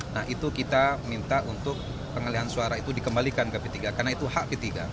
nah itu kita minta untuk pengalihan suara itu dikembalikan ke p tiga karena itu hak p tiga